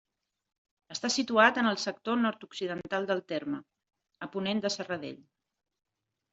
Està situat en el sector nord-occidental del terme, a ponent de Serradell.